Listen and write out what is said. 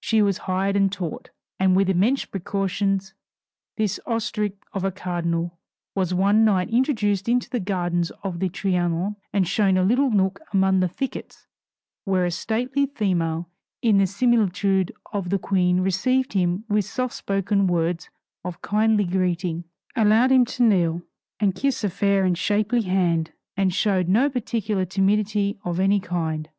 She was hired and taught; and with immense precautions, this ostrich of a cardinal was one night introduced into the gardens of the Trianon, and shown a little nook among the thickets where a stately female in the similitude of the Queen received him with soft spoken words of kindly greeting, allowed him to kneel and kiss a fair and shapely hand, and showed no particular timidity of any kind.